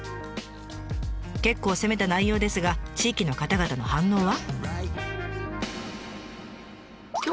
結構攻めた内容ですが地域の方々の反応は。